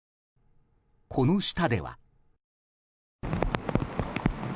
この下では。